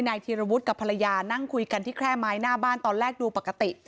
ธีรวุฒิกับภรรยานั่งคุยกันที่แคร่ไม้หน้าบ้านตอนแรกดูปกติ